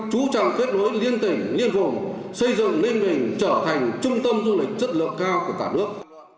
chú trọng kết nối liên tỉnh liên vùng xây dựng ninh bình trở thành trung tâm du lịch chất lượng cao của cả nước